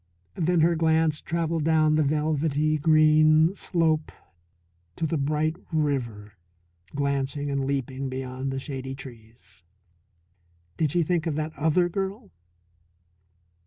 Then her glance travelled down the velvety green slope to the bright river glancing and leaping beyond the shady trees. Did she think of that other girl?